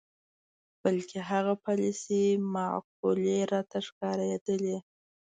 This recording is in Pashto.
بلکې هغه پالیسۍ معقولې راته ښکارېدلې.